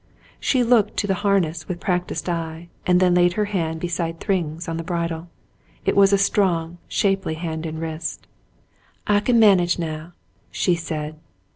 She looked to the harness with practised eye, and then laid her hand beside Thryng's, on the bridle. It was a strong, shapely hand and wrist. "I can manage now," she said.